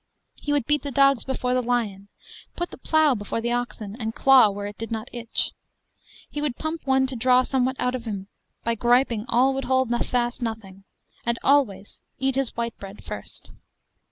He would beat the dogs before the lion, put the plough before the oxen, and claw where it did not itch. He would pump one to draw somewhat out of him, by griping all would hold fast nothing, and always eat his white bread first.